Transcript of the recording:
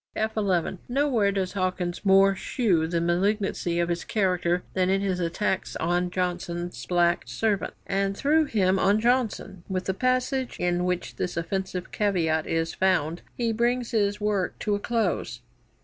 "' [F 11] Nowhere does Hawkins more shew the malignancy of his character than in his attacks on Johnson's black servant, and through him on Johnson. With the passage in which this offensive caveat is found he brings his work to a close.